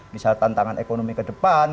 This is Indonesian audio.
misal tantangan ekonomi ke depan